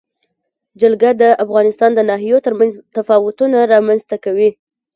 جلګه د افغانستان د ناحیو ترمنځ تفاوتونه رامنځ ته کوي.